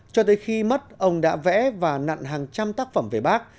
cho tới khi mất ông đã vẽ và nặn hàng trăm tác phẩm về bác